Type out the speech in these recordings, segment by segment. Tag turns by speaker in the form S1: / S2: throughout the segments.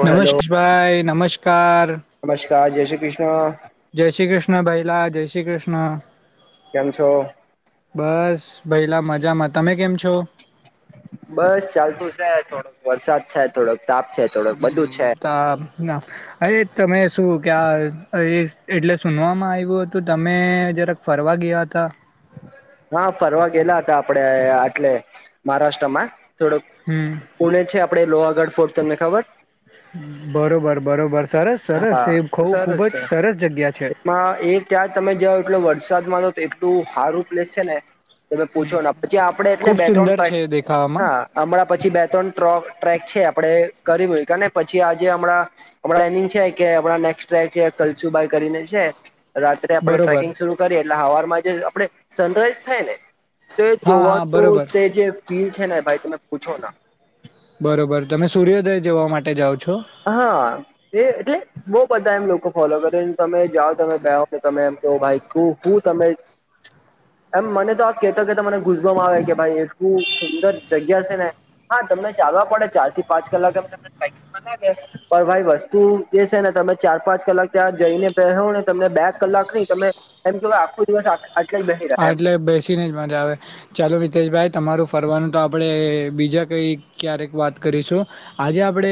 S1: ઓ hello
S2: નમસ્ત ભાઈ નમસ્કાર
S1: નમસ્કાર જય શ્રી કૃષ્ણ
S2: જય શ્રી કૃષ્ણ ભૈલા જય શ્રી કૃષ્ણ
S1: કેમ છો
S2: ભયલા મજામાં તમે કેમ છો
S1: બસ ચાલતું છે થોડોક વરસાદ છે થોડોક તાપ છે થોડુંક બધું છે
S2: હમ, તા- ના. અરે તમે શું ક્યા અરે એટલે શું નોમ આવ્યું હતું તમે જરાક ફરવા ગીયા તા
S1: હા ફરવા ગેલા હતા આપડે આટલે મહારાષ્ટ્રમાં થોડોક
S2: હમ
S1: પુણે છે આપડે લોહાગઢ ફોર્ટ તમને ખબર
S2: બરોબર બરોબર સરસ સરસ
S1: હા
S2: એ ખ ખૂબ
S1: સરસ છે
S2: જ સરસ જગ્યા છે
S1: એમાં એ ત્યાં તમે જાઓ એટલે વરસાદમાં જા તો એટલું હારું પ્લેસ છે ને તમે પૂછો ના પછી આપડે એટલે
S2: ખૂબ
S1: બે ત્રણ
S2: સુંદર
S1: ટ્રેક
S2: છે દેખાવામાં
S1: હા હમણાં પછી બે ત્રણ ટ્રોપ ટ્રેક છે આપડે કરીબ ક અને પછી આજે હમણાં અમને એન કે એ કે આપણા નેક્સ્ટ ટ્રેક કલ્સુ બાય કરીને છે રાત્રે આપણે
S2: બરોબર
S1: ટ્રેકિંગ શરૂ કરીએ એટલે હવારમાં જે આપે સનરાઈઝ થાય ને તે
S2: હા હા
S1: જોવાનું
S2: બરોબર
S1: તે જે ફીલ છે ને ભાઈ તમે પૂછો ના
S2: બરોબર તમે સૂર્યોદય જોવા માટે જાઓ છો
S1: હા એ એટલે બઉ બધા એમ લોકો ફોલો કરેને તમે જાઓ તમે બેઓ ને તમે એમ કો ભાઈ હું તમે એમ મને તો આ કેતા કેતા મને ગુઝબમ આવે કે ભાઈ એટલું સુંદર જગ્યા છે ને હા તમને ચાલવા પડે ચાર થી પાંચ કલાક એમ તમને ટ્રે [unintelligible] પણ ભાઈ વસ્તુ જે છે ને તમે ચાર પાંચ કલાક ત્યાં જઈને બેહોને તમને બે કલા લાક નહી તમે એમ કેવાય આખો દિવસ આટ
S2: હા એટલે બેસીને જ મજા આવે ચાલ હિતેશભાઈ તમારું ફરવાનું તો આપણે બીજા કઈ ક્યારેક વાત કરીશું આજે આપડે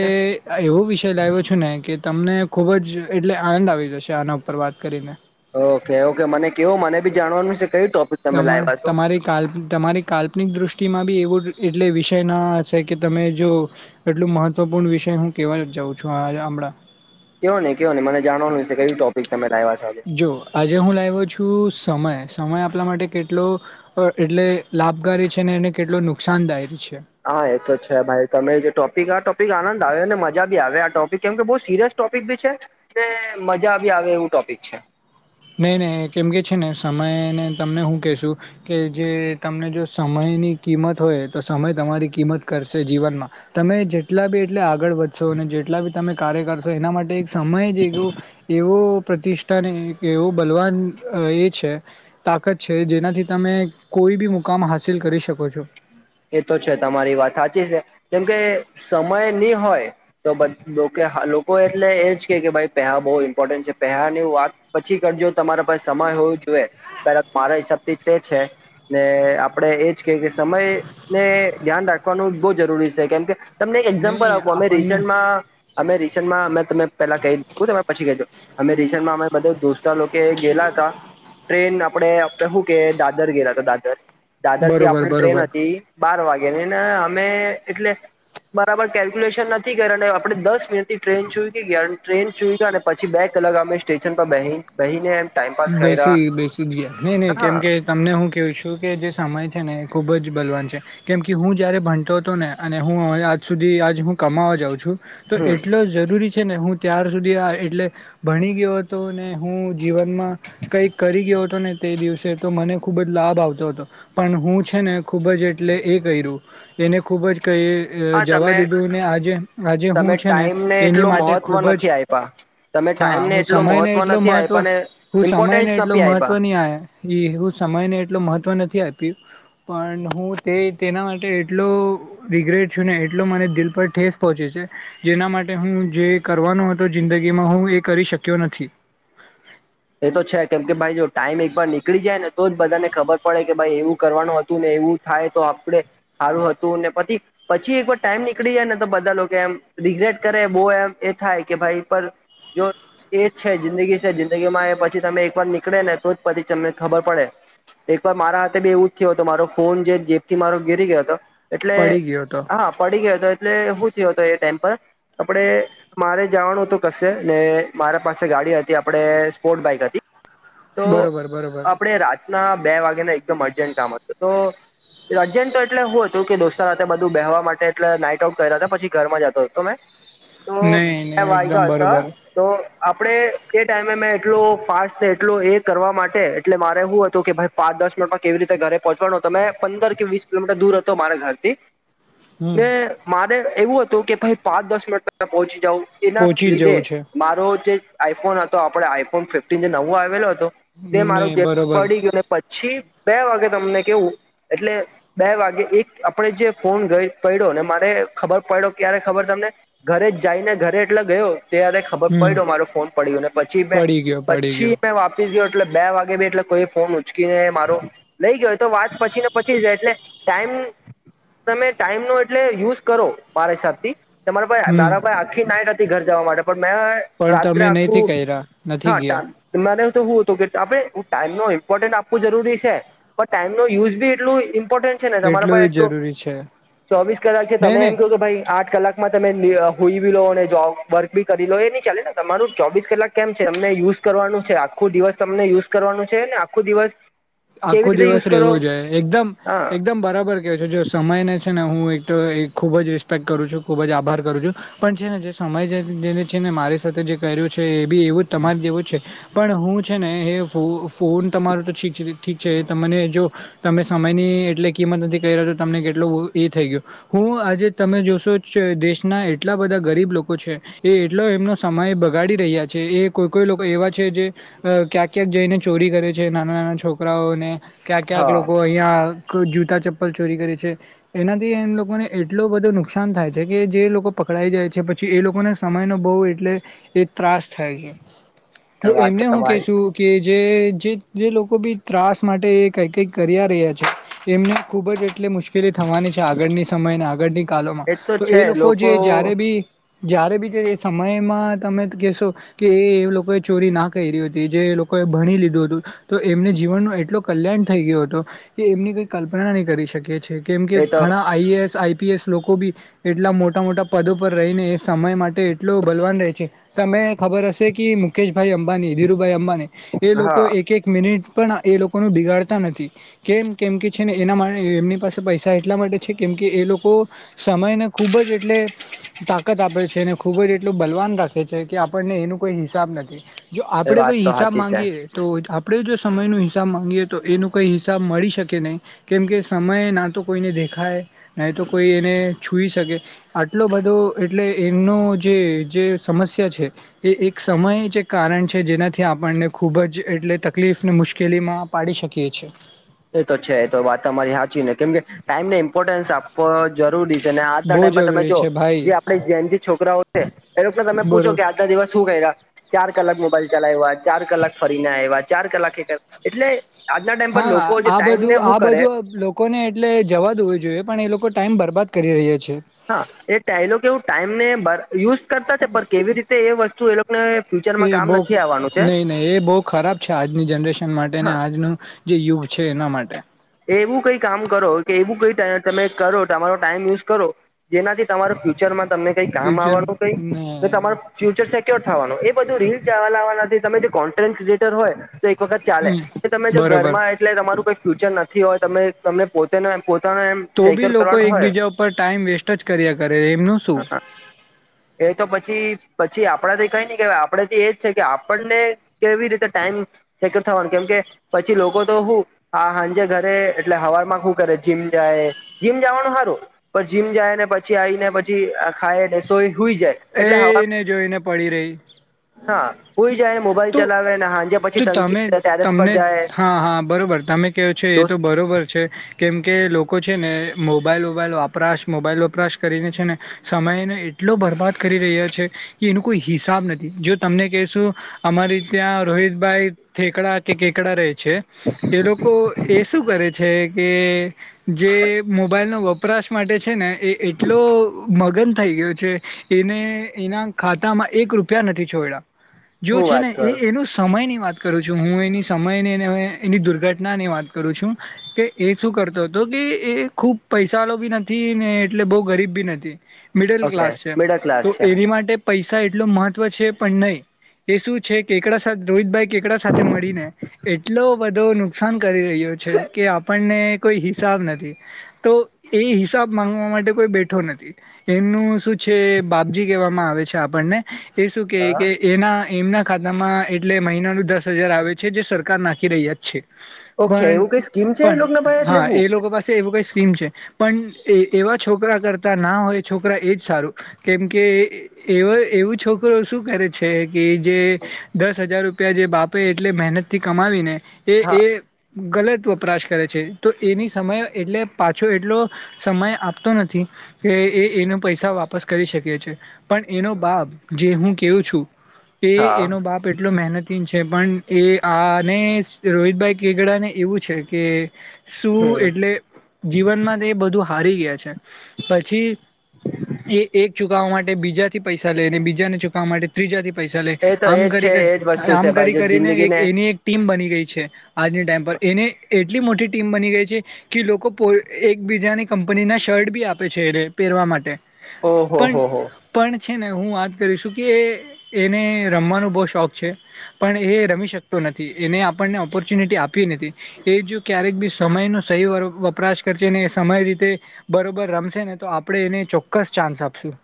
S2: એવો વિષ લાવ્યો છું ને કે તમને ખૂબ જ એટલે આનંદ આવી જશે આના ઉપર વાત કરીને
S1: ઓકે ઓકે મને કેવું મને બી જાણવાનું છે કયું ટોપિક તમે
S2: તમારી
S1: લાવ્યા છો
S2: તમારી કાલ્પનિ તમારી કાલ્પનિક દ્રષ્ટિમાં બી એવુ એટલે વિષય ના હશે કે તમે જો એટલું મહત્વપૂર્ણ વિષય હું કેવા જાઉં છું હમણાં
S1: કવો નહી કવો નહી મને જાણવાનું છે કયું ટોપિક પર
S2: જો આજે હું લાવ્યો છું સમય સમય આપલા માટે કેટલો એટલે લાભકારી છે અને એને કેટલો નુકસાનદાયક છે
S1: હા એ તો છે ભાઈ તમે જે ટોપ આ ટોપિક આનંદ આવે અને મજા ભી આવે આ ટોપિક કેમ કે બી સિરિયસ ટોપિક ભી છે ને મજા બી આવે એવું ટોપિક છે
S2: નહી નહી કેમ કે છે ને સમયેને તમને હું કેશું કે જે તમને જો સમય ની કિંમત હોય તો સમય તમારી કિંમત કરશે જીવનમાં તમે જેટલા બી એટલે આગળ વધશો અને જેટલા બી તમે કાર્ય કરશો એના માટે એક સમય જેવો એવો પ્રતિષ્ઠાને એવો બલવાન એ છે તાકાત છે જેનાથી તમે કોઈ બી મુકામ હાસિલ કરી શકો છો
S1: એ તો છે તમારી વાત હાચી છે કેમકે સમય નહી હોય તો લોકો એટલે એ જ કે ભાઈ પેહા બહુ ઇમ્પોર્ટન્ટ છે પેહા ની વાત પછી કરજો તમારા પાસેસમય હોવો જોઈએ પણ મારા હિસાબથી તે છે ને આપણેે એજ કે કે સમય ને ધ્યાન રાખવાનું બહુ જરૂરી છે કેમ કે તમને
S2: ને
S1: એક્ઝામ્પલ આપું અમે
S2: આપણને
S1: રિસેન્ટમાં અમે રિસેન્ટમાં અમે તમે પેલા કહીહું તમે પછી કહી દો અમે રિસેન્ટમાં અમે બધો સર એ લોકો ગેલા હતા ટ્રેન આપણે જમ્મુ કે દાદર ગેલા હતા દાદર દાદર થી
S2: બરોબર
S1: આપણી ટ્રેન
S2: બરોબર
S1: હતી બાર વાગે ની ને અમે એટલે બરાબર કેલ્ક્યુલેશન નથી કર્યું અને આપણે દસ મિનિટથી ટ્રેન ચૂઈકી ગયા ટ્રેન ચુઈકા અને પછી બેક અલગમે સ્ટેશન પર બ બહીને એમ ટાઈમપાસ કર્યા
S2: બેસી બેસી જ ગયા નહી નહી
S1: હા
S2: કેમ કે તમને હું કેવું છું કે જે સમય છે ને એ ખુબ જ બલવાન છે કેમ કે હું જયારે ભણતો હતો ને અને હુંઆજ સુધી હ કમાવા જાવ છું તો
S1: હમ
S2: એટલો જરૂરી છે ને હું ત્યાર સુધી આ એટલે ભણી ગયો હતો ને હું જીવનમાં કઈ કરી ગયો હતો ને તે દિવસે તો મને ખુબ જ લાભ આવતો હતો પણ હું છે ને ખુબ જ એટલે એ કર્યું એને ખુબ જ કે એ
S1: હા
S2: જવા
S1: તમે
S2: દીધું ને આજે આજે
S1: તમે
S2: હું છે ને
S1: ટાઈમને
S2: એની
S1: એટલું
S2: માટે
S1: મહત્વ
S2: ખુબ જ
S1: નથી આપ્યા તમે
S2: હા
S1: ટાઈમને
S2: હું
S1: એટલું
S2: સમય ને
S1: મહત્વ
S2: એટલો
S1: નથી આપ્યા ને
S2: મહત્વ સમય ને
S1: ઇમ્પોર્ટન્સ
S2: એટલો
S1: નથી
S2: મહત્વ
S1: આપ્યા
S2: ની આ હું સમય ને એટલો મહવ મહત્વ નથી આપ્યું પણ હુંતે તેનામાટે એટલો રિગ્રેટ છું મારા દિલ પર ઠેસ પહોંચે છે જેના માટે હું જે કરવાનો હતો જિંદગીમાં હું એ કરી શક્યો નથી
S1: એ તો છે કેમ કે ભાઈ જો ટાઈમ એકવાર નીકળી જાય ને તો જ બધાને ખબર પડે કે ભાઈ એવું કરવાનું હતું ને એવું એવું થાય તો આપણે હારું હતું ને પતી પછી એક વાર ટાઈમ નીકળી જાય ને તો બધા લોકો એમ કેય રિગ્રેટ કરે બો એમ એ થાય કે ભાઈપર જો એજ છે જિંદગી જિંદગી માં પછી તમે એકવાર નીકળે ને તો પછી તમને ખબર પડે એકવાર મારા હાથે બી એવું જ થું મારો ફોન જે જેબથી મારો ગીરી ગયો હતો એટલે
S2: પડી ગયો હતો
S1: હા પડી ગયો હતો એટલે હું થયો હતો એ ટાઈમ પર આપણે મારે જવાનું હતું કશે ને મારા પાસે ગાડી હતી આપણે સ્પોર્ટ બાઈક હતી
S2: બરોબર બરોબર
S1: ના બે વાગે ને એકદમ અર્જન્ટ કામ હતું તો અરજન્ટ તો એટલે હુ હતું કે દોસ્તાર સાથે બધું બેહવા માટે એટલે નાઈટ આઉટ કર્યા હતા પછી ઘરમાં જતો હતો મેં તો
S2: નહી નહી
S1: બે વાયગા
S2: એકદમ
S1: હતા
S2: બરોબર
S1: તો આપણે એ ટાઈમે મે એટલું ફાસ્ટ થે એટલુ એ કરવા માટે એટલે મારે હુ હતું કે ભાઈ પાંચ દસ મિનિટમાં કેવી રીતે ઘરે પહોંચવાનો તમે પંદર કે વીસ વીસ કિલોમીટર દૂર હતો મારા ઘરથી ને
S2: હમ
S1: મારે એવું હતું કે ભાઈ પાંચ દસ મિનિટ પહેલા પહોંચી જવું એના
S2: પોહોંચી જ
S1: લીધે
S2: જવું છે
S1: મારો જે આઈફોન હતો આપડે આઈફોન ફિફ્ટન જે નવો આવેલો હતો તે મારો
S2: નહી
S1: જે
S2: બરોબર
S1: પડી ગયો પછી બે વાગે તમને કેવું એટલે બે વાગે એક આપણે જે ફોન ગઈ પડ્યો ને મારે ખબર પડ્યો ક્યારે ખબર તમને ઘરે જ જઈને ઘરે એટલે ગયો ત્યારે ખબર
S2: હમ
S1: પડ્યો મારો ફોન પડ્યો ને પછી મે
S2: પડી ગયો પડી
S1: પછી
S2: ગયો
S1: સ ગયો એટલે બે વાગે બી એટલે કોઈ ફોન ઉચકીને મારો લઈ ગયોય તો વાત પછી ને પછી જાય એટલે ટાઈમ તમે ટાઈમ નો એટલે યુઝ કરો મારા હિસાબથી તમારા ભાઈ
S2: હમ
S1: મારા ભાઈ આખી નાઈટ હતી ઘર જવા માટે પણ મેં
S2: પણ
S1: રાત્રે
S2: તમે નહી
S1: આખું
S2: કર્યા નથી
S1: હ
S2: ગયા
S1: ટ [unintelligible] હતું આપને ટાઈમ નો ઇમ્પોર્ટન્ટ આપવું જરૂરી છે પણ ટાઈમ નો યુઝ ભિ એટલું ઇમ્પોર્ટન છે ને તમારા પર એટલું
S2: જરૂરી છે
S1: ચોવીસ કલાક છે
S2: નઈ
S1: તમે
S2: નહી
S1: એમ કહ કે ભાઈ આઠ કલાકમાં તમે હોઈ બી લો અને જોબ વર્ક બી કરી લો એની ચાલે ને તમારું ચોવીસ કલાક કેમ છે તમને યુઝ કરવાનું છે આખું દિવસ તમને યુઝ કરવાનું છે ને આખું દિવસ કેવી
S2: આખું
S1: રીતે યુઝ
S2: દિવસ
S1: કરો
S2: રહેવું જોય એકદમ
S1: હા
S2: એકદમ બરાબર કેય છે જો સમય ને ને હું એક તો ખુબ જ રિસ્પેક્ટ કરું છું ખુબ જ આભાર કરું છું પણ છે ને જે સમય જેને છે મારી સાથે જે કર્યું છે એ બી એવું તમારે જેવું છે પણ હું છે ને ફોન તમ મારું તો ઠીક છે ઠીક છે એ તને જો તમે સમયની એટલે કિંમત નથી કર્યા તો તમને કેટલો એ થઈ ગયો હું હું આજે તમે જોશો દેશના એટલા બધા ગરીબ લોકો છે એ એટલો એમનો સમય બગાડ રહ્યા છે એ કોઈ કોઈ લોકો એવા છે જે ક્યાંક ક્યાંક જઈને ચોરી કરે છે નાના નાના છોક રાઓને ક્યાં ક્યાંક
S1: હા
S2: લોકો અહિયાં જૂતા ચપ્પલ ચોરી કરે છે એનાથી એમ લોકોને એટલો બધો નુકસાન થાય છે કે જે લોકો પકડાય જાય છે પછી એ લોકોને સમય ન બહ એટલે એ ત્રાસ થાય છે તો
S1: વાત
S2: એમને હું
S1: તમારી
S2: કેશું કે જે જે લોકો બી ત્રાસ માટે એ કઈ કઈ કર્યા રહ્યા છે એમને ખૂબ જ એટલે મુશ્કેલ થવાની છે આગળની સમય આગળની કાલમાં તો એ લોકો જે જયારે બી જય્યારે બી એ સમયમાં તમે કેહેશો કે એ એ લોકોએ ચોરી ના કરી હતી જે ભણી લીધું હતું તો એમને જીવનનો એટલો કલ્યાણ થઈ ગયો હતો કે એમની કંઈ કલ્પના નહીં કરી શકીએ છે છે કેમ કે
S1: એ તો
S2: ઘણા આઈએએસ આઈ પીએસ લોકો બી એટલા મોટા મોટા પદો પર રહીને એ સમય માટે એટલો બલવાન રહે છે તમે ખબર હશે કે મુકેશભાઈ અંબાની ધીરુભાઈ અંબાણી એ
S1: હા
S2: લોકો એક એક મિનિટ પણ એ લોકોનું બિગાડતા નથી કેમ કેમ કે છે ને એના માટે એમની પાસે પૈસા એટલા માટે છે કેમ કે એ લોકો સમયને ખુબ જ એટલે તાકત આપે છે અને ખૂબ જ એટલો બલવાન રાખે છે કે આપણને એનું કોઈ હિસાબ નથી જો
S1: એ
S2: આપણેે
S1: વાત
S2: કોઈ
S1: તો
S2: હિસાબ
S1: સાચી છે
S2: માંગીએ તો આપણે જો સમયનો હિસાબ માંગીએ તો એનો કંઈ હિસાબ મળી શકે નહીં કેમકે સમયે ના તો કોઈને દેખાય નહી તો કોઈ એને છૂઈ શકે આટલો બધો એટલે એમનો જે જે સમસ્યા છે એ એક સમય જ એક કારણ છે જેનાથી આપણને ખૂબ જ એટલે તકલીફ ને મુશ્કેલીમાં પાડી શકીએ છીએ
S1: એ તો છે તો વાત તમારી સાચી ને કેમ કે ટાઈમ ન ઇપોર્ટન્સ આપવ જરૂરી છે અને આજના
S2: બહુ
S1: ટાઈમ પર તમે
S2: જરૂરી
S1: જો
S2: છે ભાઈ
S1: જે આપણેે જેન જી છોકરાઓ છે એ તમે પૂછો
S2: બરો
S1: કે આજના દિવસ શું કર્યા ચાર કલાક મોબાઈલ ચલાવ્યો આજ ચાર કલાક ફરી ના આવ્યા ચાર કલાકે એટલે આજના ટાઈમ પર લોકો
S2: હા
S1: જે
S2: આ
S1: ટાઈમને
S2: બધું આ
S1: શું કરે
S2: બધું લોકોને એટલે જવા દેવું જોઈએ પણ એ લોકો ટાઈમ બરબાદ કરી રહ્યા છે
S1: હા એ ટાઈલો કેવું ટાઈમ ને યુઝ કરતા છે પણ કેવી રીતે એ વસ્તુ એ લોકોને
S2: એ
S1: ફ્યુચરમાં કામ
S2: બહુ
S1: નથી આવવાનું છે
S2: નહીં નહીં એ બહુ ખરાબ છે આજની જનરેશન માટે ને
S1: હા
S2: આજનું જે યુગ છે એના માટે
S1: એવું કઈ કામ કરો કે એવું કઈ તમે કરો તમારો ટાઈમ યુઝ કરો જેનાથી તમારો ફ્યુચરમાં તમને કઈ કામ
S2: ફ્યુચર
S1: આવવાનું
S2: ને
S1: કઈ તમારું ફ્યુચર સેક્યોર થાવાનું એ બધું રીલ જવા લાવવા નથી તમે જે કોન્ટેન્ટ ક્રિએટર હોય તો એક વખત ચાલે
S2: હમ
S1: કે તમે જો
S2: બરોબર
S1: ઘરમાં એટલે તમારું કોઈ ફ્યુચર નથી હોય તમે તમને પોતે
S2: તો બી લોકો એકબીજા ઉપર ટાઈમ વેસ્ટ જ કર્યા કરે એમનું શું
S1: એ તો પછી પછી આપ આપથી કઈ ન કેવા આપડે થી એજ છે કે આપણને કેવી રીતે ટાઈમ સેકર થવાનું કેમ કે પછી લોકો તો હું હા હાંજે ઘર એટલે હવારમાં હુ કરે જીમ જાય જીમ જવાનું હારું પણ જીમ જાય ને પછી આવીને પછી પછી ખાયને સોય હુઇ જાય એટલે હવા
S2: એને જોઈને પડી રહી
S1: હા હુઇ જાયને મોબાઈલ
S2: તો
S1: ચલાવે હાંજે પછી
S2: તો
S1: ટંકી
S2: તમે
S1: ટેરેસ પર
S2: તમને
S1: જાય
S2: હા હા બરોબર તમે કેવ છો એ
S1: દોસ્ત
S2: તો બરોબર છે કેમ કે લોકો છે ને મોબાઈલ વોબાઈલ વપરાશ મોબાઈલ વપરાશ કરીને છે ને સમયને એટલો બરબાદ કરી રહ્યા છે કે એનું કોઈ હિસાબ નથી જો તમને કહેશું અમારી ત્યાં રોહિતભાઈ ઠેકડા કે કેકડા રહે છે એ લોકો એ શું કરે છે કે જે મોબાઈલનો વપ વપરાશ માટે છે ને એ એટલો મગન થઈ ગયો છે એને એના ખાતામાં એક રૂપિયા નથી છોડ્યા જો
S1: હું
S2: છે
S1: વાત
S2: ને એ
S1: કરું
S2: એનો સમય ન વાત કરું છું હું એની સમય ને એની દુર્ઘટનાની વાત કરું છું કે એ શું કરતો હતો તો કે એ ખૂબ પૈસાલો બી નથી ને એટલે બહુ ગરીબ બી નથી મિડલ
S1: ઓકે
S2: ક્લાસ છે
S1: મિડલ ક્લાસ
S2: તો
S1: છે
S2: એની માટે પૈસા મહત્વ છે પણ નહી એ શું છે કેકડા સાથ રોહિતભાઈ કેકડા સાથે મળીને એટલો બધો નુકસાન કરી રહ્યો છે કે આપણને કોઈ હિસાબ નથી તો એ હિસાબ માંગવા માટે કોઈ બેઠો નથી એમનું શું છે જે બાપજી કહેવામાં આવે છે આપણને એ શું કે
S1: હા
S2: કે એના એમના ખાતામાં એટલે મહિનાનું દસ હજાર આવે છે જે સરકાર નાખી રહ્યા જ છે
S1: ઓકે
S2: પણ
S1: એવું કઈ સ્કીમ છે એ
S2: પણ
S1: લોકોને ભાઈ એટલે
S2: હા
S1: હું
S2: એ લોકો પાસે એવું કઈ સ્કીમ છે પણ એવા છોકરા કરતા ના હોય છોકરા એજ સારું કેમકે એ એવું છોકરો શું કરે છે કે જે દસ હજાર રૂપ રૂપિયા જે બાપે એટલે મહેનત થી કમાવી ને એ
S1: હા
S2: એ ગલત વપરાશ કરે છે તો એની સમય એટલે પાછો એટલો સમય આપતો નથી કે એ એનો પૈસા વાપસ કરી શકે છે પણ એનો બાપ જે હું કેવું છું એ
S1: હા
S2: એનો બાપ એટલો મહેનત છે પણ એ આને રોહિતભાઈ કેગડા ને એવું છે કે શું
S1: હમ
S2: એટલે જીવનમાં તે એ બધું હારી ગયા છે પછી એ એક ચુકવવા માટે બીજાથી પૈસા લઈને બીજાને ચુકવવા માટે ત્રીજાથી પૈસા લે
S1: એ તો
S2: આમ
S1: એજ છે
S2: કરી
S1: એજ વસ્તુ છે
S2: આમ
S1: ભાઈ
S2: કરી
S1: જો
S2: કરીને એક
S1: જિંદગીને
S2: એની એક ટીમ બની ગઈ છે આજની ટાઈમ પર એને એટલી મોટી ટીમ બની ગઈ છે કે લોકો પો એકબીજાની કંપની ના શર્ટ બી આપે છે એને કરવા માટે
S1: ઓ હો
S2: પણ
S1: હો હો
S2: પણ છે. ને હું વાત કરીશું કે એને રમવાનો બહુ શોખ છે. પણ એ રમી શકતો. નથી. એને આપણને ઓપોર્ચ્યુનિટી આપી નથી એ જો ક્યારેક બી સમય ન સહી વપરાશ કરશે. કેને સમય રીતે બરોબર રમશે ને તો આપણે એને ચોક્કસ ચાન્સ આપશું.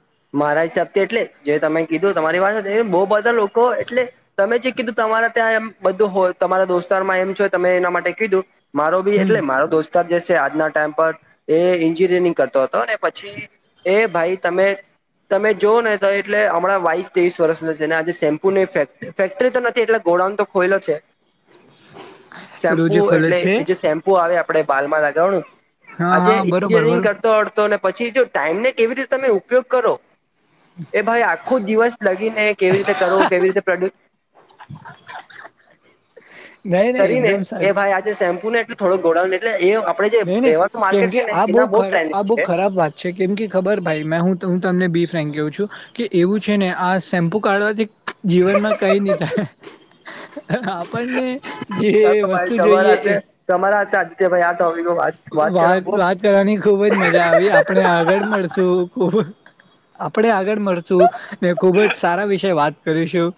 S1: મારા હિસાબથી એટલે જે તમે કીધું તમારી વાત બહુ બધા લોકો એટલે તમે કીધું તમારે ત્યાં એમ બધું હોય તમારા દોસ્તારમાં એમ છ તમે એના માટે કીધું મારો બી
S2: હમ
S1: એટલે મારો દોસ્ત તર જશે આજના ટાઈમ પર એ એન્જિનિયરિંગ કરતો હતો અને પછી એ ભાઈ તમે તમે જો ને તો એટલે હમડા બાઇસ તેવીસ વર્ષનો છે આજે શેમ્પુ ની ફે ફેક્ટરી તો નથી એટલે ગોડાઉન તો ખોયલો છે શેમ્પુ
S2: રોજે ખોલે
S1: એટલે
S2: છે
S1: જે શેમ્પુ આવે આપણે બાલમાં લગાવાનું
S2: હા
S1: આજે
S2: હા બરોબર
S1: એન્જિનિયરિંગ
S2: બરોબર
S1: કરતો હડતો પછી જો ટાઈમ ને કેવી રીતે તમે ઉપયોગ કરો એ ભાઈ આખું દિવસ લગીને કેવી રીતે કરો કેવી રીતે પ્રોડ્ય
S2: નહી નહી
S1: કરીને
S2: એકદમ સાચ
S1: એ ભાઈ આજે શેમ્પુ ને એટલે થોડો ગોળાને એટલે એ આપડે જે
S2: જો ને
S1: રેવાનું માર્કેટ
S2: કેમકે
S1: છે ને
S2: આ
S1: એના
S2: બહ
S1: બહુ
S2: આ
S1: ટ્રેન્ડિંગ
S2: બહ
S1: છે
S2: ખરાબ વાત છે કેમ કે ખબર ભાઈ મે હું. તમને બી ફ્રેન્ક કવું છું કે એવું છે ને આ શેમ્પુ કાઢવાથી. જીવનમાં કઈ નની થાય. આપણને જે
S1: ચાલો
S2: વસ્તુ જોઈએ એ.
S1: યા તો આવી ગયો.
S2: વાત વાત કરવાની ખુબ જ મજા આવી આપણે આગળ મળશું ખુબ. આપડે આગળ મળશું ને ખુબ જ સારા વિશે વાત કરીશું.